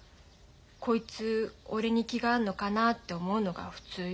こいつ俺に気があんのかなって思うのが普通よ。